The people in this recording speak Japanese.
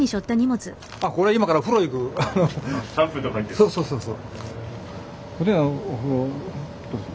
そうそうそうそう。